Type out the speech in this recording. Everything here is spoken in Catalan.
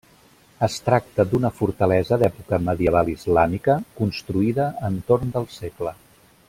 Es tracta d'una fortalesa d'època medieval islàmica construïda entorn del segle.